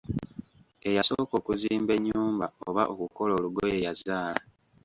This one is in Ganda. Eyasooka okuzimba ennyumba oba okukola olugoye, yazaala.